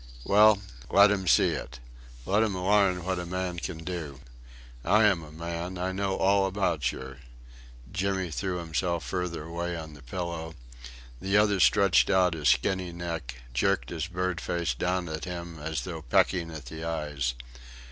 "Well. Let 'em see it. Let 'em larn what a man can do. I am a man, I know all about yer...." Jimmy threw himself further away on the pillow; the other stretched out his skinny neck, jerked his bird face down at him as though pecking at the eyes.